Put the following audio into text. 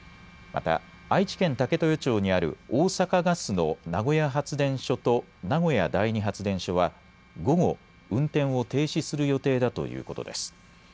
また愛知県武豊町にある大阪ガスの名古屋発電所と名古屋第二発電所は午後、運転を停止する予定だということです。